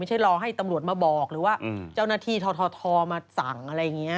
รอให้ตำรวจมาบอกหรือว่าเจ้าหน้าที่ททมาสั่งอะไรอย่างนี้